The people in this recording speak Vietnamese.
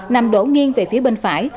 nằm đổ nghiêng về phía bên phải